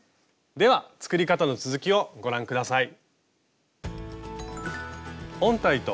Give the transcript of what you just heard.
では作り方の続きをご覧下さい。